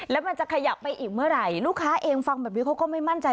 แล้วมันจะขยับไปอีกเมื่อไหร่ลูกค้าเองฟังแบบนี้เขาก็ไม่มั่นใจ